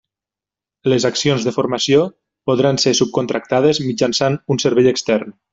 Les accions de formació podran ser subcontractades mitjançant un servei extern.